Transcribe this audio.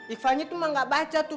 ikhwanya tuh emak gak baca tuh